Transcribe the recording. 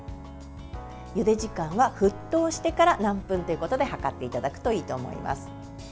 ゆで時間は沸騰してから何分ということで測っていただくといいと思います。